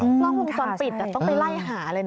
ต้องรู้ตอนปิดก็ต้องไปไล่หาเลยนะ